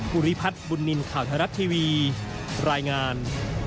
ภูริพัฒน์บุญนินทร์ข่าวไทยรัฐทีวีรายงาน